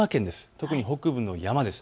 特に北部の山です。